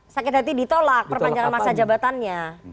sakit hati ditolak perpanjangan masa jabatannya